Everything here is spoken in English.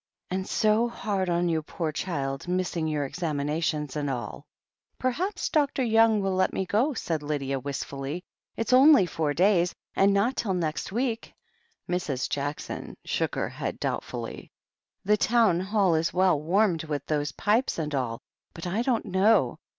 "And so hard on you, poor child, missing your ex aminations and all." "Perhaps Dr. Young will let me go," said Lydia wistfully: "It's only four days, and not till next week." Mrs. Jackson shook her head doubtfully. "The Town Hall is well warmed, with those pipes and all, but I don't know.